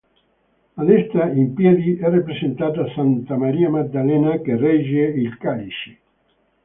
A destra, in piedi, è rappresentata santa Maria Maddalena che regge il calice.